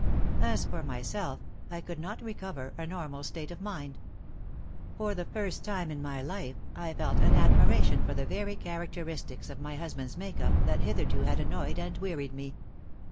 As for myself, I could not recover a normal state of mind. For the first time in my life, I felt an admiration for the very characteristics of my husband's make up that hitherto had annoyed and wearied me.